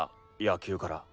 野球から。